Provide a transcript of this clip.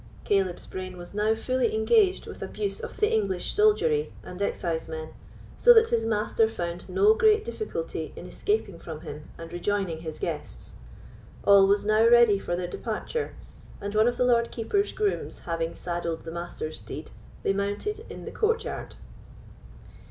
Caleb's brain was now fully engaged with abuse of the English soldiery and excisemen, so that his master found no great difficulty in escaping from him and rejoining his guests. All was now ready for their departure; and one of the Lord Keeper's grooms having saddled the Master's steed, they mounted in the courtyard.